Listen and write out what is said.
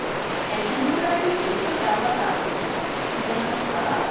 このぐらいですちょっと泡が見えますか？